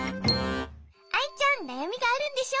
アイちゃんなやみがあるんでしょ？